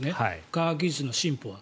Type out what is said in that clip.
科学技術の進歩は。